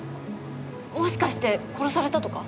もしかして殺されたとか？